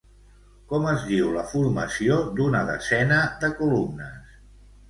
Com es diu la formació d'una desena de columnes?